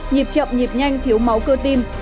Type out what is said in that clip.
nhịp chậm nhịp nhanh thiếu máu cơ tim